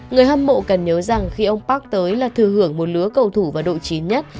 người hâm mộ cần nhớ rằng khi ông park tới là thừa hưởng một lứa cầu thủ và độ chín nhất